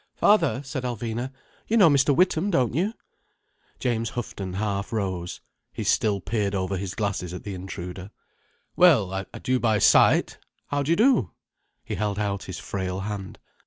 "Father," said Alvina, "you know Mr. Witham, don't you?" James Houghton half rose. He still peered over his glasses at the intruder. "Well—I do by sight. How do you do?" He held out his frail hand.